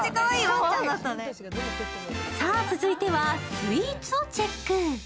さあ、続いてはスイーツをチェック。